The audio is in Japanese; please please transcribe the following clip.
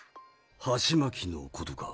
ハチマキのことか？